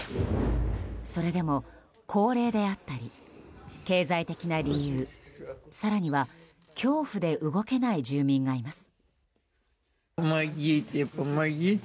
それでも、高齢であったり経済的な理由更には恐怖で動けない住民がいます。